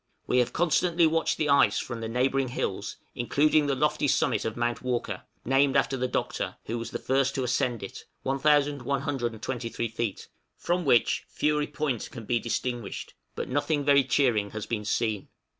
We have constantly watched the ice from the neighboring hills, including the lofty summit of Mount Walker named after the Doctor, who was the first to ascend it (1123 feet) from which Fury Point can be distinguished, but nothing very cheering has been seen.